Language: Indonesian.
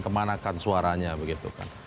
kemanakan suaranya begitu kan